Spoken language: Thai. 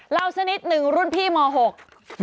เล่าสักนิดหนึ่งรุ่นพี่ม๖